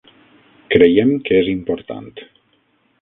Creiem que és important.